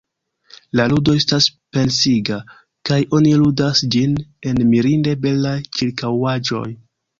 La ludo estas pensiga, kaj oni ludas ĝin en mirinde belaj ĉirkaŭaĵoj.